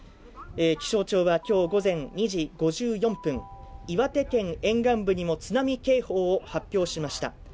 気象庁は今日午前２時５４分岩手県沿岸部にも津波警報を発表しました。